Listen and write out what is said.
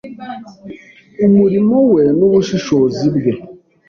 umurimo we n’ubushishozi bwe.